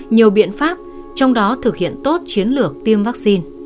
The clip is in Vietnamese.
nhiều biện pháp trong đó thực hiện tốt chiến lược tiêm vaccine